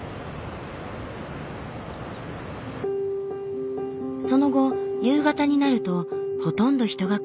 その後夕方になるとほとんど人が来なくなった。